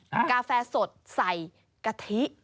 กาแฟสดใส่กะทิ